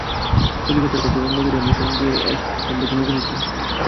কলিকাতার কাছে গঙ্গাতীরে আমি সঙ্ঘের জন্য একখণ্ড জমি কিনেছি।